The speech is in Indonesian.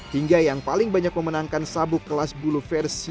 hingga yang paling banyak memenangkan sabuk kelas bulu versi wbf sejauh ini yaitu chris john